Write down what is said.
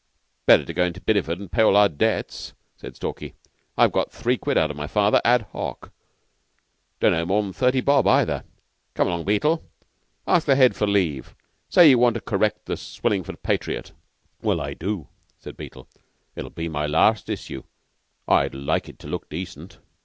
"Better go into Bideford an' pay up our debts," said Stalky. "I've got three quid out of my father ad hoc. Don't owe more than thirty bob, either. Cut along, Beetle, and ask the Head for leave. Say you want to correct the 'Swillingford Patriot.'" "Well, I do," said Beetle. "It'll be my last issue, and I'd like it to look decent.